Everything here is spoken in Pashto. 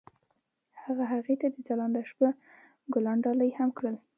هغه هغې ته د ځلانده شپه ګلان ډالۍ هم کړل.